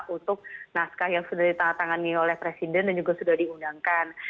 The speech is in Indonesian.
untuk naskah yang sudah ditandatangani oleh presiden dan juga sudah diundangkan